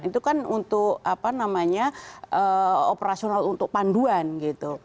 itu kan untuk apa namanya operasional untuk panduan gitu